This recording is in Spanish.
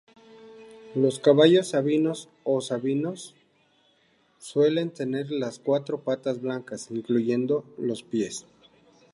Los caballos sabinos o "sabinos" suelen tener las cuatro patas blancas, incluyendo los pies.